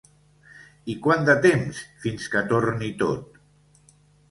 I quant de temps fins que torni tot?